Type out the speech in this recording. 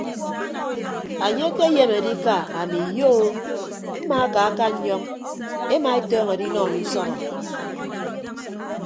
Anye ke ayem adika ami iyo o mmaakaka nnyọñ ema etọñọ adinọ enye usọbọ.